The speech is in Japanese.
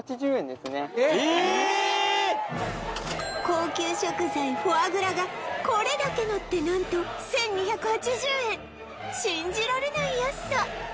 高級食材フォアグラがこれだけのって何と１２８０円信じられない安さ！